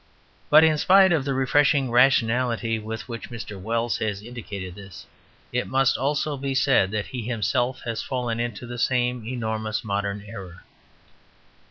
But in spite of the refreshing rationality with which Mr. Wells has indicated this, it must also be said that he himself has fallen into the same enormous modern error.